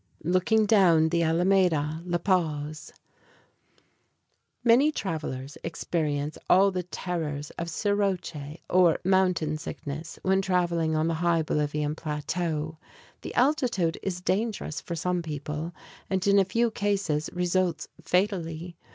[Illustration: LOOKING DOWN THE ALAMEDA, LA PAZ] Many travelers experience all the terrors of soroche or mountain sickness when traveling on the high Bolivian plateau. The altitude is dangerous for some people, and in a few cases results fatally.